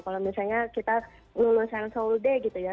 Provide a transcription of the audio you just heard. kalau misalnya kita lulusan seoul day gitu ya